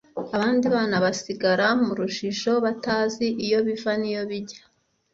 abandi bana basigara mu rujijo batazi iyo biva n’iyo bijya!